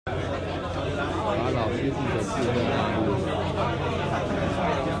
把老師傅的智慧納入